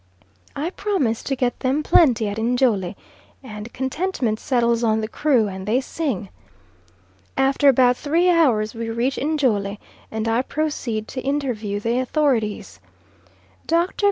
I promise to get them plenty at Njole, and contentment settles on the crew, and they sing. After about three hours we reach Njole, and I proceed to interview the authorities. Dr.